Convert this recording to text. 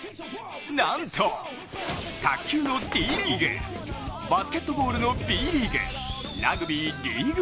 なんと、卓球のＴリーグ、バスケットボールのＢリーグ、ラグビー・ＬＥＡＧＵＥＯＮＥ